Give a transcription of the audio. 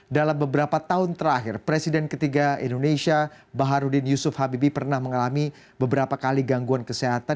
dalam beberapa tahun terakhir presiden ketiga indonesia baharudin yusuf habibie pernah mengalami beberapa kali gangguan kesehatan